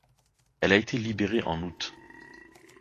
Elle a été libérée en août.